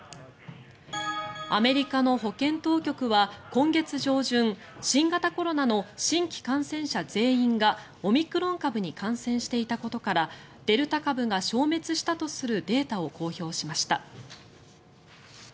アメリカの保健当局は今月上旬新型コロナの新規感染者全員がオミクロン株に感染していたことからデルタ株が消滅したとするデータを公表しました。